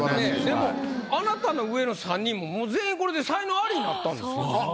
でもあなたの上の３人ももう全員これで才能アリになったんですよ。